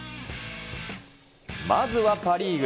まずはパ・リーグ。